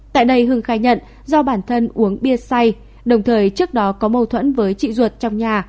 tại đây hưng khai nhận do bản thân uống bia say đồng thời trước đó có mâu thuẫn với chị ruột trong nhà